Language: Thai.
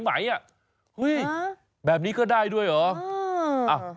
แบบนี้ก็ได้ด้วยเหรอ